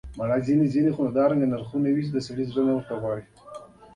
د بېلګې په توګه دا سمه نه ده چې ګرمې سیمې بېوزله وي.